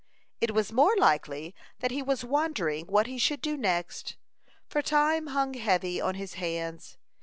It was more likely that he was wondering what he should do next, for time hung heavy on his hands.